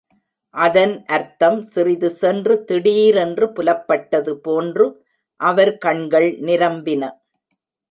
அதன் அர்த்தம் சிறிது சென்று திடீரென்று புலப்பட்டது போன்று அவர் கண்கள் நிரம்பின.